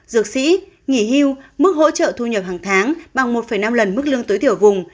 dược sĩ nghỉ hưu mức hỗ trợ thu nhập hàng tháng bằng một năm lần mức lương tối thiểu vùng